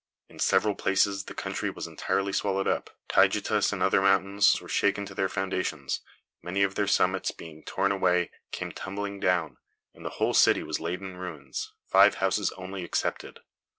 In several places the country was entirely swallowed up: Täygetus and other mountains were shaken to their foundations; many of their summits, being torn away, came tumbling down; and the whole city was laid in ruins, five houses only excepted.